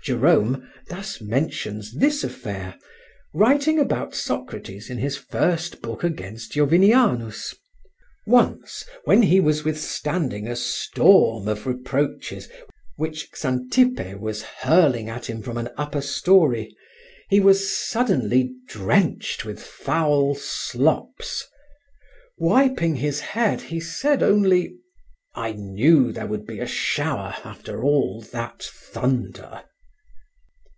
Jerome thus mentions this affair, writing about Socrates in his first book against Jovinianus: "Once when he was withstanding a storm of reproaches which Xantippe was hurling at him from an upper story, he was suddenly drenched with foul slops; wiping his head, he said only, 'I knew there would be a shower after all that thunder.'"